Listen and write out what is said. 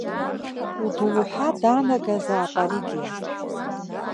Удоуҳа даанагазаап аригьы.